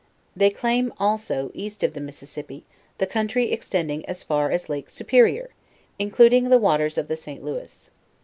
They claim, also, east of the Mississipi, the country extending as far as lake Superior, including the wa ters of the St. Louis.